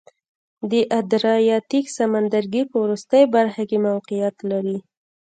د ادریاتیک سمندرګي په وروستۍ برخه کې موقعیت لري.